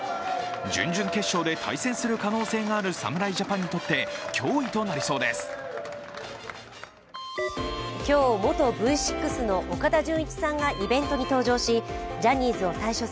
準々決勝で対戦する可能性がある侍ジャパンにとって脅威となりそうです。